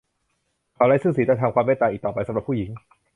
เขาไร้ซึ่งศีลธรรม ความเมตตา อีกต่อไปสำหรับผู้หญิง